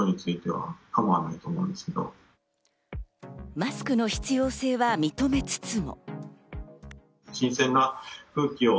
マスクの必要性は認めつつも。